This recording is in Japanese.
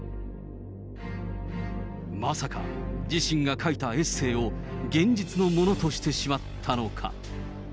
まさか自身が書いたエッセーを現実のものとしてしまったのか。